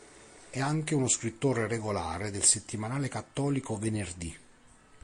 È anche uno scrittore regolare del settimanale cattolico "Venerdì".